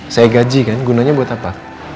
saya gaji kan gunanya buat apa